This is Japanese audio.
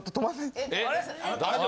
え大丈夫？